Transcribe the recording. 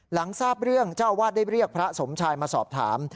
หลังทราบเรื่องเจ้าอาวาสได้เรียกพระสมชายมาสอบถาม